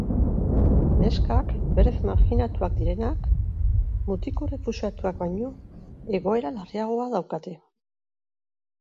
Neskak, berez marjinatuak direnak, mutiko errefuxiatuak baino egoera larriagoa daukate.